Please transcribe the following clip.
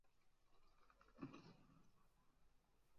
锋芒草为禾本科锋芒草属下的一个种。